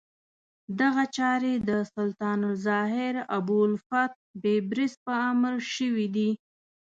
دغه چارې د سلطان الظاهر ابوالفتح بیبرس په امر شوې دي.